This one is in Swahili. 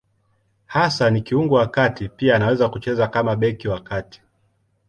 Hasa ni kiungo wa kati; pia anaweza kucheza kama beki wa kati.